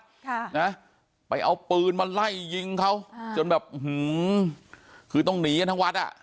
ค่ะนะไปเอาปืนมาไล่ยิงเขาอ่าจนแบบอื้อหือคือต้องหนีกันทั้งวัดอ่ะ